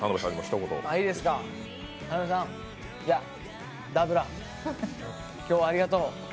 田辺さん、いやダーブラ、今日はありがとう！